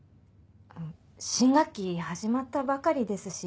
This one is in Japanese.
新学期始まったばかりですし